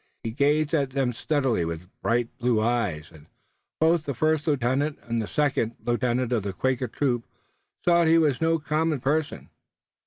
He gazed at them steadily with bright blue eyes, and both the first lieutenant and the second lieutenant of the Quaker troop saw that he was no common person.